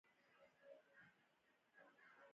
آیا د ماشومانو لوبې ساده او په زړه پورې نه وي؟